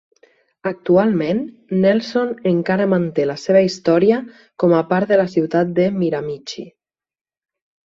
Actualment, Nelson encara manté la seva història com a part de la ciutat de Miramichi.